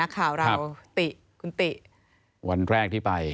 นักข่าวเราอครับติขุนติวันแรกที่ไป